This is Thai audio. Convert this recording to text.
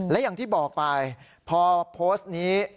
และอย่างที่บอกไปพอโพสต์นี้